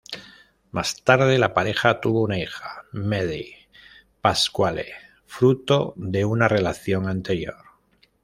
Más tarde, la pareja tuvo una hija, Maddie Pasquale, fruto de una relación anterior.